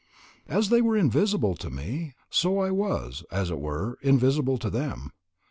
As they were invisible to me, so I was, as it were, invisible to them.